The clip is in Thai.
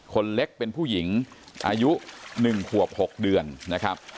คนเล็กเป็นผู้หญิงอายุ๑ขวบ๖เดือนนะครับ